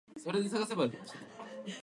楽しい